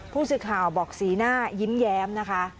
ผู้สื่อข่าวบอกสีหน้ายิ้มแย้มนะคะ